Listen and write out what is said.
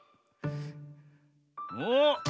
おっ。